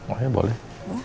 oh ya boleh